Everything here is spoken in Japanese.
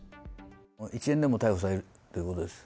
一円でも逮捕されるということです。